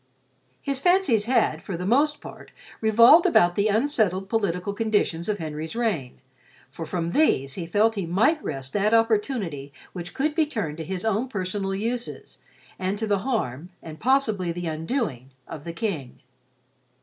His fancies had, for the most part, revolved about the unsettled political conditions of Henry's reign, for from these he felt he might wrest that opportunity which could be turned to his own personal uses and to the harm, and possibly the undoing, of the King.